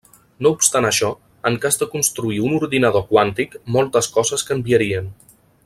No obstant això, en cas de construir un ordinador quàntic, moltes coses canviarien.